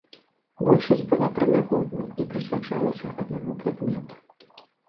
Большасць была прынагоднай і прысвячалася аднаму прадмету.